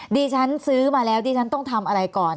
ดิฉันซื้อมาแล้วดิฉันต้องทำอะไรก่อน